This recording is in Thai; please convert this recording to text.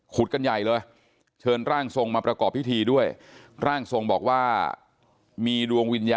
ขุดกันใหญ่เลยเชิญร่างทรงมาประกอบพิธีด้วย